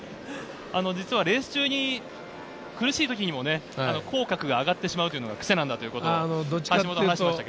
レース中に苦しい時にも口角が上がってしまうというのがくせだと、橋本は話していました。